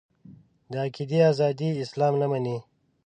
د عقیدې ازادي اسلام نه مني.